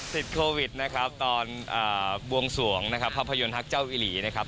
ติดโควิดนะครับตอนบวงสวงนะครับภาพยนตร์ฮักเจ้าอิหลีนะครับ